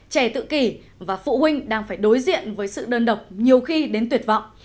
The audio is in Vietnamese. trẻ tự kỷ và phụ huynh đang phải đối diện với sự đơn độc nhiều khi đến tuyệt vọng